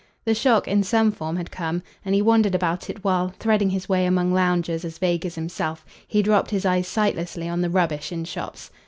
The shock, in some form, had come, and he wondered about it while, threading his way among loungers as vague as himself, he dropped his eyes sightlessly on the rubbish in shops.